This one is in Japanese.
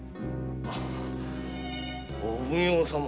お奉行様。